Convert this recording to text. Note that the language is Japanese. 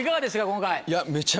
今回。